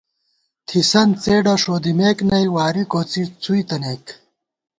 تھِسن څېڈہ ݭودِمېک نئ واری کوڅی څُوئی تنَئیک